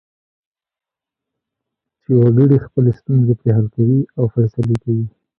چې وګړي خپلې ستونزې پرې حل کوي او فیصلې کوي.